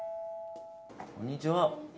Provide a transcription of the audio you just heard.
こんにちは。